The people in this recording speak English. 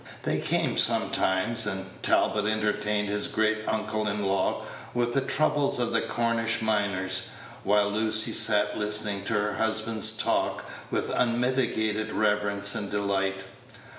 They came sometimes, and Talbot entertained his great uncle in law with the troubles of the Cornish miners, while Lucy sat listening to her husband's talk with unmitigated reverence and delight.